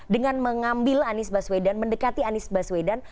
dengan mengambil anies basudan mendekati anies basudan